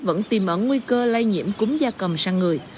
vẫn tìm ẩn nguy cơ lây nhiễm cúm da cầm sang người